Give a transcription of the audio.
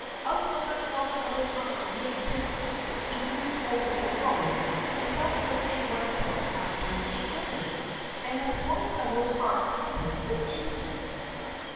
Out of the corner of his eye Mick could see that he moved over the road without lifting one foot after the other; and the poor fellow's heart trembled within him.